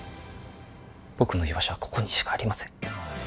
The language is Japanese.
僕の居場所はここにしかありません